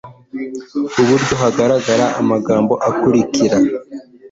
iburyo hagaragara amagambo akurikira